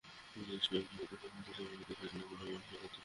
নিজে নিজে অ্যাপ্লাই করা হতে শুরু করে জার্মানিতে এসে রান্না করার মানসিকতা।